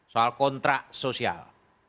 soal kontrak sosial